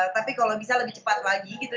tapi kalau bisa lebih cepat lagi gitu